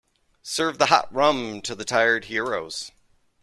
Serve the hot rum to the tired heroes.